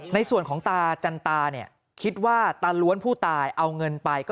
ในส่วนของตาจันตาคิดว่าตาล้วนผู้ตายเอาเงินไป